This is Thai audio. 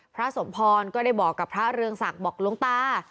พระสมพรก็ได้บอกกับพระเรืองศักดิ์บอกหลวงตา